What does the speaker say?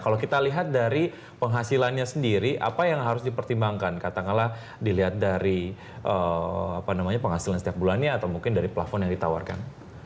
kalau kita lihat dari penghasilannya sendiri apa yang harus dipertimbangkan katakanlah dilihat dari penghasilan setiap bulannya atau mungkin dari plafon yang ditawarkan